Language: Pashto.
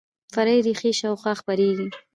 فرعي ریښې شاوخوا خپریږي